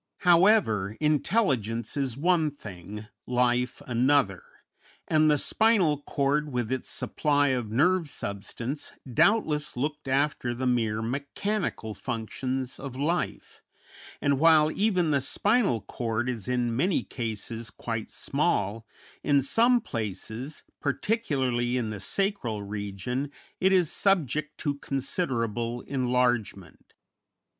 However, intelligence is one thing, life another, and the spinal cord, with its supply of nerve substance, doubtless looked after the mere mechanical functions of life; and while even the spinal cord is in many cases quite small, in some places, particularly in the sacral region, it is subject to considerable enlargement.